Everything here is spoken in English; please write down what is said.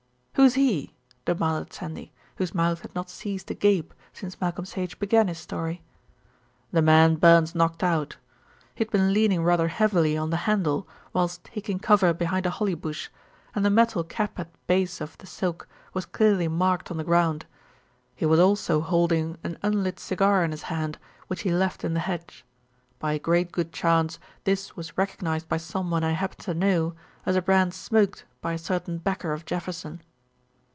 "Who's he?" demanded Sandy, whose mouth had not ceased to gape since Malcolm Sage began his story. "The man Burns knocked out. He had been leaning rather heavily on the handle whilst taking cover behind a holly bush, and the metal cap at base of the silk was clearly marked on the ground. He was also holding an unlit cigar in his hand, which he left in the hedge. By great good chance this was recognised by someone I happen to know as a brand smoked by a certain backer of Jefferson."